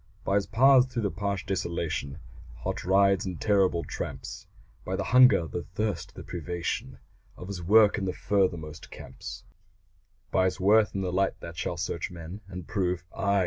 By his paths through the parched desolation Hot rides and the terrible tramps; By the hunger, the thirst, the privation Of his work in the furthermost camps; By his worth in the light that shall search men And prove ay!